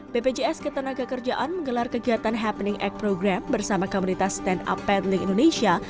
bpjs ketenaga kerjaan menggelar kegiatan happening act program bersama komunitas stand up petling indonesia